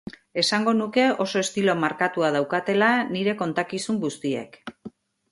Esango nuke oso estilo markatua daukatela nire kontakizun guztiek.